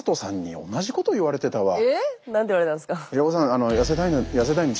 何て言われたんすか？